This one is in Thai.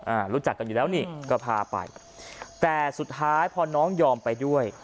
รู้จักกันอยู่แล้วนี่ก็พาไปแต่สุดท้ายพอน้องยอมไปด้วย